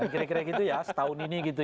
kira kira gitu ya setahun ini gitu